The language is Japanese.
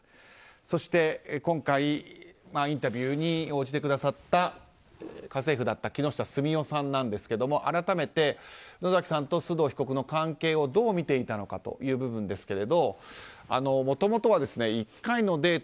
そして、今回インタビューに応じてくださった家政婦だった木下純代さんなんですが改めて野崎さんと須藤被告の関係をどう見ていたのかという部分ですがもともとは１回のデート